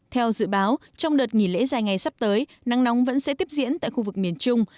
theo dự báo trong đợt nghỉ lễ dài ngày sắp tới nắng nóng vẫn sẽ tiếp diễn tại khu vực miền trung